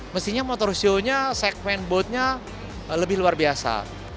mestinya motor shownya segmen boatnya lebih luar biasa